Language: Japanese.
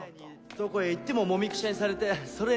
「どこへ行ってももみくちゃにされてそれに」